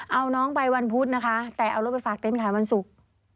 เอาน้องไปวันพุธนะคะแต่เอารถไปฝากเต้นขายวันศุกร์